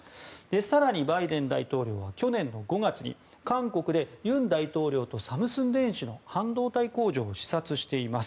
更に、バイデン大統領は去年５月に韓国で尹大統領とサムスン電子の半導体工場を視察しています。